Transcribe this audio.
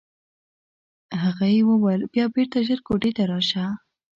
هغه یې وویل بیا بېرته ژر کوټې ته راشه.